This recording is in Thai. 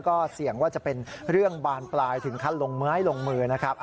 ก็เสี่ยงว่าจะเป็นเรื่องบานปลายถึงขั้นลงไม้ลงมือนะครับ